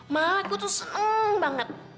malah gue tuh seneng banget